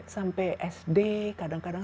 sampai sd kadang kadang